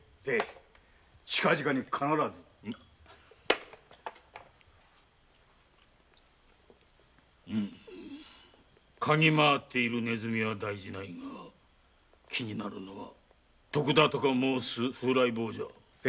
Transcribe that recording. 近々に必ず。かぎまわっているネズミは大事ないが気になるのは徳田とか申す風来坊じゃ。